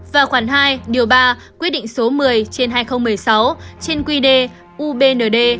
và khoản hai điều ba quy định số một mươi trên hai nghìn một mươi sáu trên quy đề ubnd